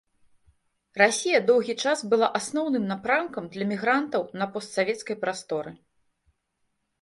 Расія доўгі час была асноўным напрамкам для мігрантаў на постсавецкай прасторы.